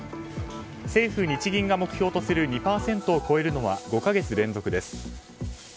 政府・日銀が目標とする２％を超えるのは５か月連続です。